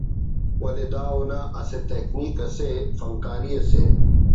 ولے دا اونا اسہ تکنیک اسے‘ فنکاری سے